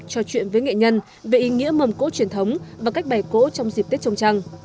trò chuyện với nghệ nhân về ý nghĩa mầm cỗ truyền thống và cách bày cỗ trong dịp tết trông trăng